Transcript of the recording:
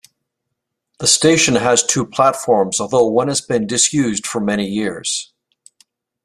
The station has two platforms although one has been disused for many years.